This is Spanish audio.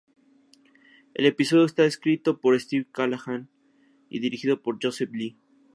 El episodio está escrito por Steve Callaghan y dirigido por Joseph Lee.